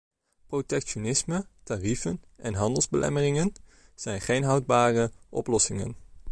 Protectionisme, tarieven en handelsbelemmeringen zijn geen houdbare oplossingen.